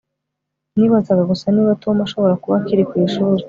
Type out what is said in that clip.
Nibazaga gusa niba Tom ashobora kuba akiri ku ishuri